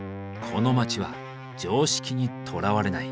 この街は常識にとらわれない。